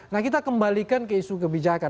nah kita kembalikan ke isu kebijakan